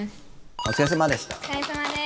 おつかれさまです。